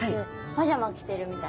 パジャマ着てるみたい。